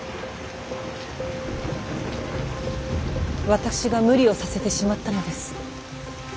私が無理をさせてしまったのです。